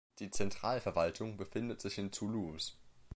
Die Zentralverwaltung befindet sich in Toulouse.